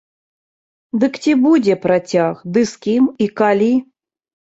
Дык ці будзе працяг ды з кім і калі?